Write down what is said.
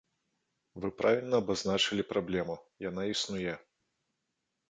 Вы правільна абазначылі праблему, яна існуе.